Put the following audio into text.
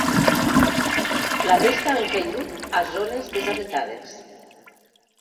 La resta han caigut a zones deshabitades.